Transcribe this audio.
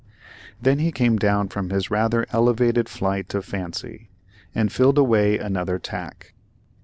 Then he came down from this rather elevated flight of fancy, and filled away on another tack.